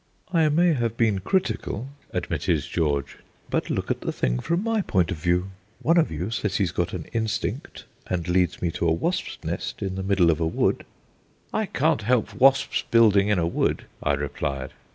"I may have been critical," admitted George "but look at the thing from my point of view. One of you says he's got an instinct, and leads me to a wasps' nest in the middle of a wood." "I can't help wasps building in a wood," I replied.